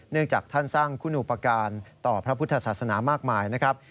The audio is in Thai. จากท่านสร้างคุณอุปการณ์ต่อพระพุทธศาสนามากมายนะครับ